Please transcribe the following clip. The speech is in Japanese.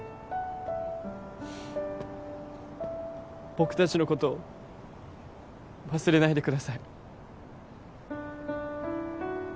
僕達のこと忘れないでください